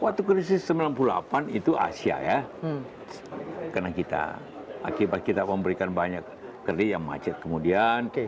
waktu krisis sembilan puluh delapan itu asia ya karena kita akibat kita memberikan banyak kredit yang macet kemudian